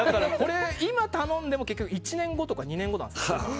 今頼んでも１年後とか２年後なんですよ。